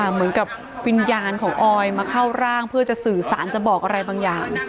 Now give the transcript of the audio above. เหมือนกับวิญญาณของออยมาเข้าร่างเพื่อจะสื่อสารจะบอกอะไรบางอย่าง